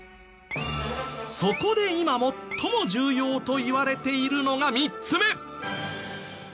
そこで今最も重要といわれているのが３つ目。